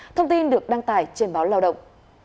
thông tin được đăng tải trên báo lao động